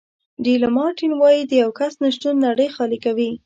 ډي لمارټین وایي د یو کس نه شتون نړۍ خالي کوي.